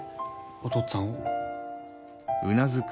おとっつぁんを。